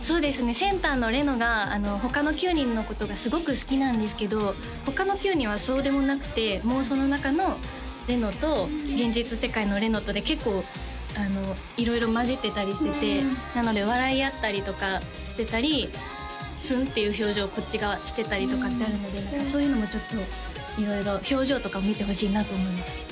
センターの麗乃が他の９人のことがすごく好きなんですけど他の９人はそうでもなくて妄想の中の麗乃と現実世界の麗乃とで結構色々混じってたりしててなので笑い合ったりとかしてたりツンっていう表情をこっちがしてたりとかってあるのでそういうのもちょっと色々表情とかも見てほしいなと思いました